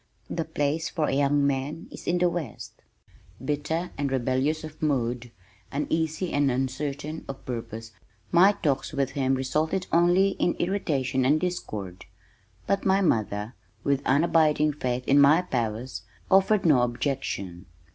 The place for a young man is in the west." Bitter and rebellious of mood, uneasy and uncertain of purpose my talks with him resulted only in irritation and discord, but my mother, with an abiding faith in my powers, offered no objection.